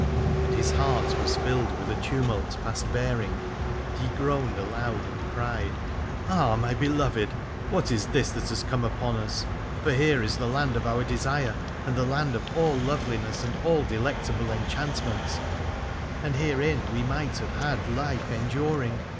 And his heart was filled with a tumult past bearing, and he groaned aloud and cried : Ah ! my beloved, what is this that has come upon us ? For here is the land of our desire and the land of all loveliness and all delectable enchantments, and herein we might have had life enduring.